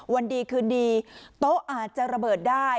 วันดีคืนดีโต๊ะอาจจะระเบิดได้